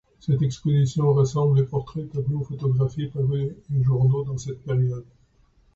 Cette exposition rassemble les portraits, tableaux, photographies, parures et journaux de cette période.